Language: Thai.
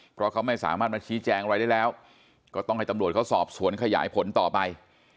เพราะเขาไม่สามารถมาชี้แจงอะไรได้แล้วก็ต้องให้ตำรวจเขาสอบสวนขยายผลต่อไป